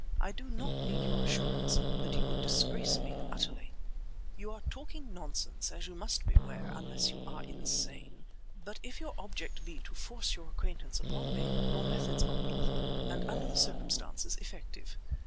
"I do not need your assurance that you would disgrace me utterly! You are talking nonsense, as you must be aware—unless you are insane. But if your object be to force your acquaintance upon me, your methods are novel, and, under the circumstances, effective.